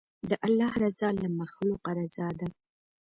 د الله رضا له مخلوقه رضا ده.